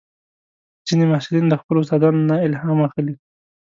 ځینې محصلین د خپلو استادانو نه الهام اخلي.